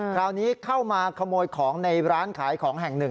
คราวนี้เข้ามาขโมยของในร้านขายของแห่งหนึ่ง